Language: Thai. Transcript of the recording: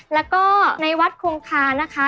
แล้วก็ในวัดคงคานะคะ